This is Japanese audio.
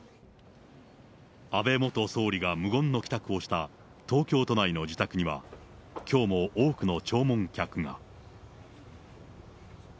安倍元総理が無言の帰宅をした東京都内の自宅には、きょうも多くの弔問客が。